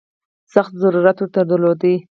سخت ضرورت ورته درلود.